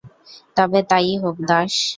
তবে তা-ই হোক, দাস!